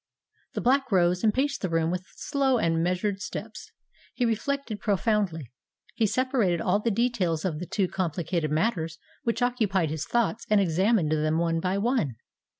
The Black rose and paced the room with slow and measured steps. He reflected profoundly. He separated all the details of the two complicated matters which occupied his thoughts, and examined them one by one.